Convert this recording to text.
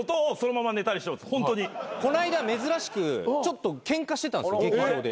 こないだ珍しくちょっとケンカしてたんですよ劇場で。